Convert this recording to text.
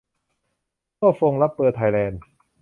ฮั้วฟง รับเบอร์ ไทยแลนด์